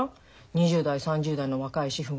２０代３０代の若い主婦がさ